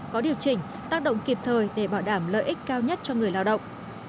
có điều chỉnh tác động kịp thời để bảo đảm lợi ích cao nhất cho người lao động